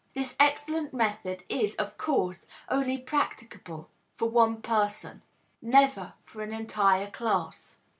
This excellent method is, of course, only practicable for one person, never for an entire class.